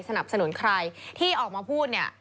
สนับสนุนใครที่ออกมาพูดเนี่ย